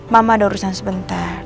mama ada urusan sebentar